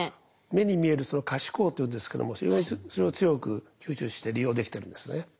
目に見えるその可視光というんですけども非常にそれを強く吸収して利用できてるんですね。